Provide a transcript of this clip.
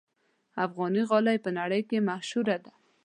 افغاني غالۍ په نړۍ کې مشهوره ده.